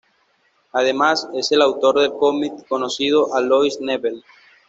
Además, es el autor del cómic conocido "Alois Nebel".